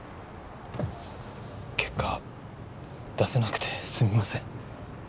結果出せなくてすみません